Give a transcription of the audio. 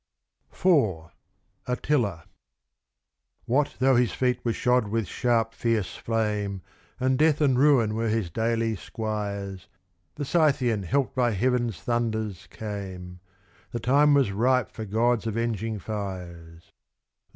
IV Attila What though his feet were shod with sharp, fierce flame, And death and ruin were his daily squires, The Scythian, helped by Heaven's thunders, came: The time was ripe for God's avenging fires.